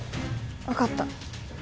分かった。